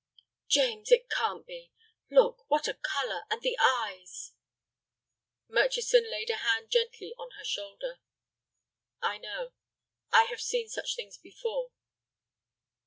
"James, it can't be. Look, what a color! And the eyes—" Murchison laid a hand gently on her shoulder. "I know; I have seen such things before."